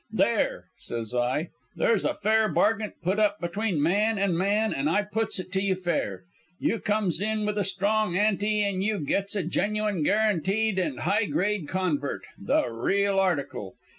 There!' says I, 'there's a fair bargint put up between man an' man, an' I puts it to you fair. You comes in with a strong ante an' you gets a genuine, guaranteed an' high grade convert the real article.